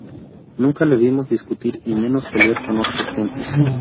Nunca le vimos discutir y menos pelear con otras gentes.